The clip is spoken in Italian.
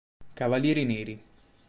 Cavalieri neri